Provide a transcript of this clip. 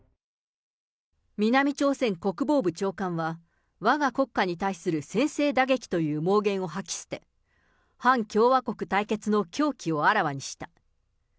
南朝鮮国防部長官は、わが国家に対する先制打撃という妄言を吐き捨て、反共和国対決の狂気をあらわにした。